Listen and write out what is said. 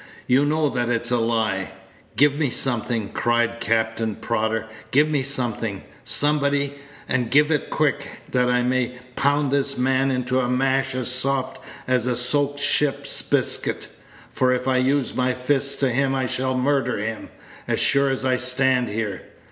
you know that it's a lie! Give me something," cried Captain Prodder, "give me something, somebody, and give it quick, that I may pound this man into a mash as soft as a soaked ship's biscuit; for if I use my fists to him I shall murder him, as sure as I stand here.